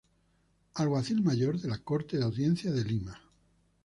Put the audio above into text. Alguacil Mayor de la Corte de Audiencia de Lima.